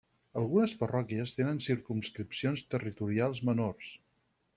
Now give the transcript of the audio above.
Algunes parròquies tenen circumscripcions territorials menors.